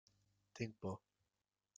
Tinc por.